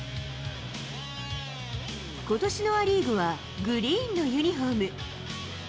ことしのア・リーグは、グリーンのユニホーム。